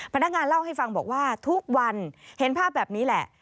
พนักงานเล่าให้ฟังบอกว่าทุกวันเห็นภาพแบบนี้แหละ